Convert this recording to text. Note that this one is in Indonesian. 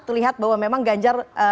terlihat bahwa memang ganjar